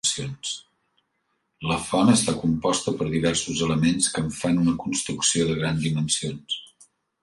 La font està composta per diversos elements que en fan una construcció de grans dimensions.